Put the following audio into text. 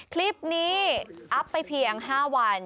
คลิปนี้อัพไปเพียง๕วัน